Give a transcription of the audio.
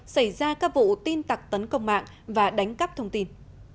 xảy ra các vụ tin tặc tấn công mạng và đánh cắp thông tin